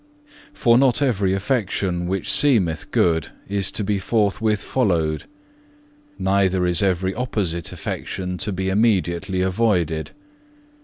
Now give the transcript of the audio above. For not every affection which seemeth good is to be forthwith followed; neither is every opposite affection to be immediately avoided.